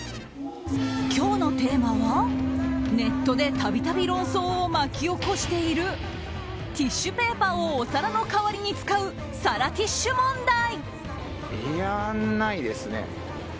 今日のテーマは、ネットで度々論争を巻き起こしているティッシュペーパーをお皿の代わりに使う皿ティッシュ問題。